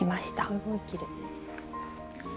すごいきれい。